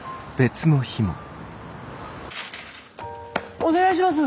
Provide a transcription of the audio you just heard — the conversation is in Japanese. お願いします！